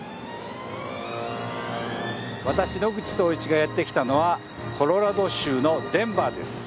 私野口聡一がやって来たのはコロラド州のデンバーです。